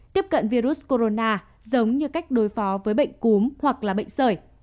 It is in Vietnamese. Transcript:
tiếp cận virus corona giống như cách đối phó với bệnh cúm hoặc là bệnh sởi